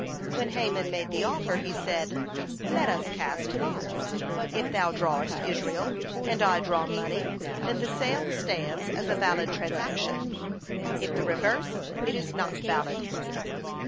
When Haman made the offer, he said: "Let us cast lots. If thou drawest Israel and I draw money, then the sale stands as a valid transaction. If the reverse, it is not valid."